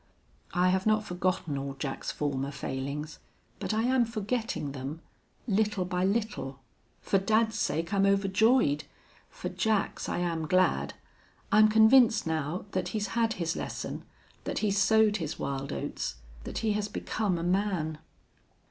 I have not forgotten all Jack's former failings, but I am forgetting them, little by little. For dad's sake I'm overjoyed. For Jack's I am glad. I'm convinced now that he's had his lesson that he's sowed his wild oats that he has become a man."